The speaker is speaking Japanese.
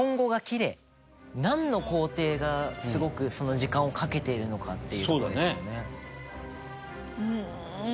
なんの工程がすごく時間をかけているのかっていうとこですよね。